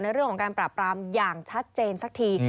เรื่องของการปราบปรามอย่างชัดเจนสักที